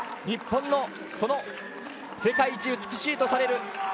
日本の世界一美しいとされる